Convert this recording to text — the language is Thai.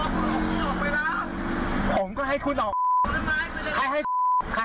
ผมก็ให้คุณออก